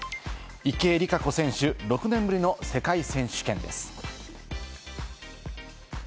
池江璃花子選手、６年ぶりの世界選手権です。